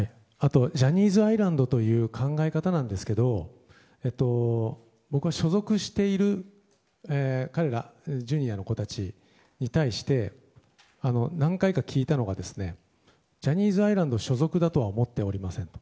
ジャニーズアイランドという考え方なんですけど僕は、所属しているＪｒ．の子たちに対して何回か聞いたのがジャニーズアイランド所属だとは思っておりません。